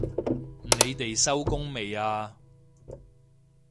你哋收工未啊？